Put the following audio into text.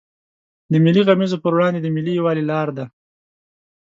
د ملي غمیزو پر وړاندې د ملي یوالي لار ده.